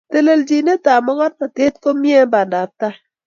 telelchinet ab mokornotet ko mie eng pandab tai